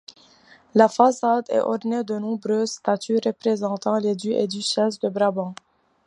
La façade est ornée de nombreuses statues représentant les ducs et duchesses de Brabant.